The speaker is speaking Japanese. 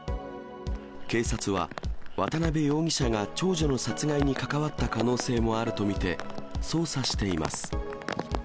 警察は、渡辺容疑者が長女の殺害に関わった可能性もあると見て、捜査しています。